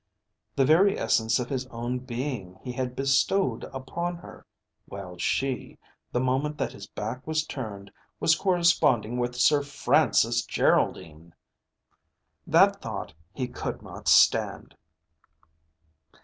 The very essence of his own being he had bestowed upon her, while she, the moment that his back was turned, was corresponding with Sir Francis Geraldine! That thought he could not stand.